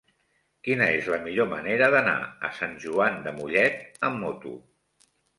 Quina és la millor manera d'anar a Sant Joan de Mollet amb moto?